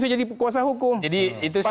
saya jadi kuasa hukum jadi itu